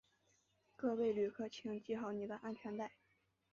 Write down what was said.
各位旅客请系好你的安全带